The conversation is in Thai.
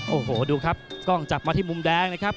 โอ้โหดูครับกล้องจับมาที่มุมแดงนะครับ